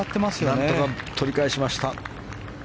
何とか取り返しました。